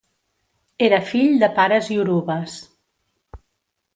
Era fill de pares iorubes.